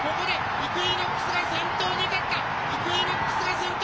イクイノックスが先頭。